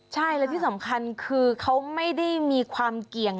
ใช่และที่สำคัญคือเขาไม่ได้มีความเกี่ยง